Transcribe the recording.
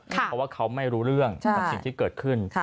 เพราะว่าเขาไม่รู้เรื่องกับสิ่งที่เกิดขึ้น